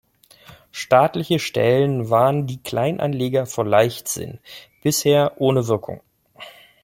Staatliche Stellen warnen die Kleinanleger vor Leichtsinn, bisher ohne Wirkung.